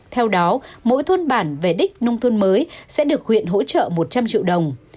theo đó mỗi thôn bản về đích nông thôn mới sẽ được huyện hỗ trợ một trăm linh triệu đồng